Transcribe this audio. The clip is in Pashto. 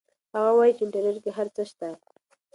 هغه وایي چې انټرنیټ کې هر څه شته.